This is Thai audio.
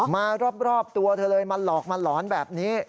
มารอบตัวเธอเลยมาหลอกมาหลอนแบบนี้